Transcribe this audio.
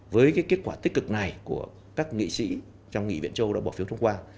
với kết quả tích cực này của các nghị sĩ trong nghị viện châu âu đã bỏ phiếu thông qua